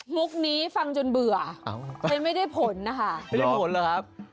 เมุกนี้ฟังถึงเบื่อใครไม่ได้ผลนะคะ